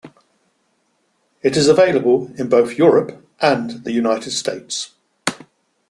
It is available in both Europe and the United States.